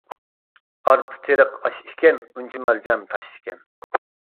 ئارپا تېرىق ئاش ئىكەن، ئۈنچە مارجان تاش ئىكەن.